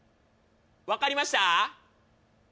分かりました？